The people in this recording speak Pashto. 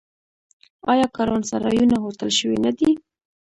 آیا کاروانسرایونه هوټل شوي نه دي؟